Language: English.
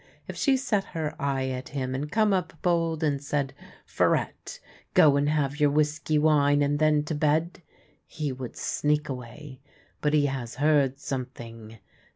If she set her eye at him and come up bold and said, ' Farette, go and have your whiskey wine, and then to bed !' he would sneak away. But he has heard something.